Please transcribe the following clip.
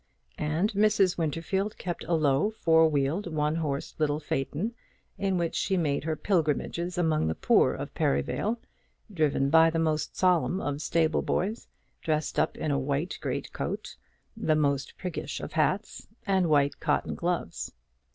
And Mrs. Winterfield kept a low, four wheeled, one horsed little phaeton, in which she made her pilgrimages among the poor of Perivale, driven by the most solemn of stable boys, dressed up in a white great coat, the most priggish of hats, and white cotton gloves.